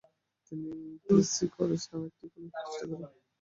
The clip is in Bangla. তিনি পি.সি কলেজ নামে একটি কলেজ প্রতিষ্ঠা করেন।